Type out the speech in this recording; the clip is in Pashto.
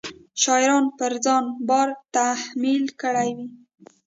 شاعرانو پر ځان بار تحمیل کړی وي.